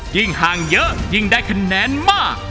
ยิ่งห่างเยอะยิ่งได้คะแนนมาก